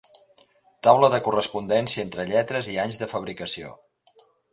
Taula de correspondència entre lletres i anys de fabricació.